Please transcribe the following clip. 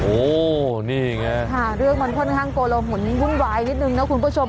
โอ้นี่ไงค่ะเรื่องมันค่อนข้างโกละหุ่นวุ่นวายนิดนึงนะคุณผู้ชม